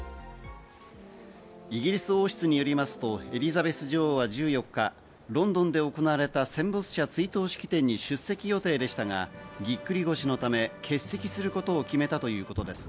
イギリス王室によりますとエリザベス女王は１４日、ロンドンで行われた戦没者追悼式典に出席予定でしたが、ぎっくり腰のため欠席することを決めたということです。